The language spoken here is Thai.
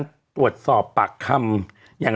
เราก็มีความหวังอะ